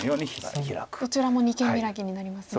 どちらも二間ビラキになりますね。